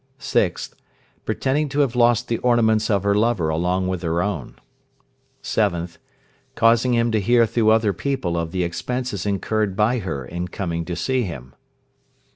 6th. Pretending to have lost the ornaments of her lover along with her own. 7th. Causing him to hear through other people of the expenses incurred by her in coming to see him.